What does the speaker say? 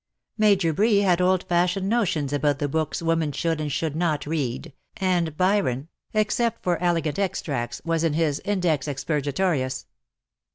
Major Bree had old fashioned notions about the books women should and should not read, and Byron, 174 IN SOCIETY. except for elegant extracts, was in his Index expurga torius.